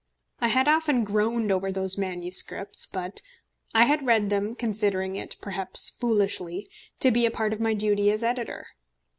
I had often groaned over those manuscripts; but I had read them, considering it perhaps foolishly to be a part of my duty as editor.